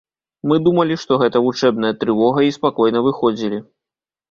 Мы думалі, што гэта вучэбная трывога і спакойна выходзілі.